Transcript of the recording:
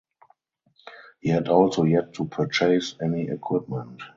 He had also yet to purchase any equipment.